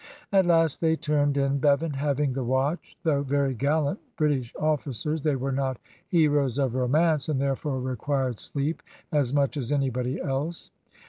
At last they turned in, Bevan having the watch. Though very gallant British officers, they were not heroes of romance, and therefore required sleep as much as anybody else.